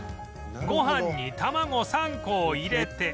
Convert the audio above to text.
ごはんに卵３個を入れて